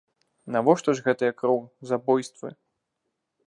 Навошта ж гэтая кроў, забойствы?